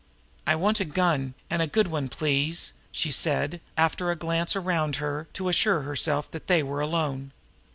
"I want a gun, and a good one, please," she said, after a glance around her to assure herself that they were alone.